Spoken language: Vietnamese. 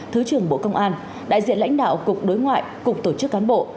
thứ trưởng bộ công an đại diện lãnh đạo cục đối ngoại cục tổ chức cán bộ